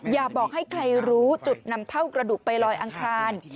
อย่าบอกให้ใครรู้จุดนำเท่ากระดูกไปลอยอังคาร